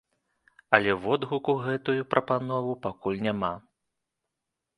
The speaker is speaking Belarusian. Але водгуку гэтую прапанову пакуль няма.